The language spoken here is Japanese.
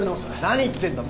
何言ってんだ！